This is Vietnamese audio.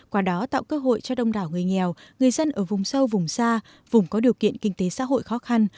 qua đó tạo cơ hội cho đông đảo người nghèo người dân ở vùng sâu vùng xa vùng có điều kiện kinh tế xã hội khó khăn